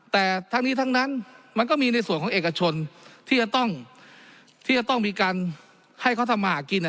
แต่ทั้งนี้ทั้งนั้นมันก็มีในส่วนของเอกชนที่จะต้องที่จะต้องมีการให้เขาทำมาหากิน